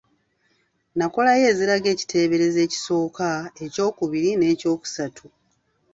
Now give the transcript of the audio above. Nokolayo eziraga ekiteeberezo ekisooka, ekyokubiri n’ekyokusatu.